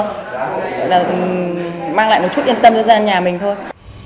gọi là mình mang lại một chút yên tâm cho ra nhà mình thôi